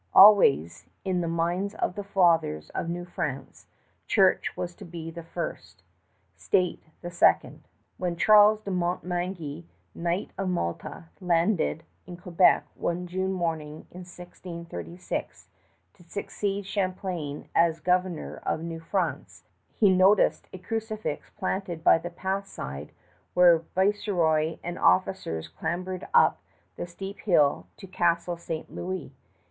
Always, in the minds of the fathers of New France, Church was to be first; State, second. When Charles de Montmagny, Knight of Malta, landed in Quebec one June morning in 1636, to succeed Champlain as governor of New France, he noticed a crucifix planted by the path side where viceroy and officers clambered up the steep hill to Castle St. Louis.